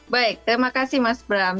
baik terima kasih mas bram